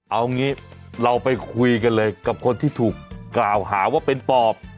เอางี้เราไปคุยกันเลยกับคนที่ถูกกล่าวหาว่าเป็นปอบ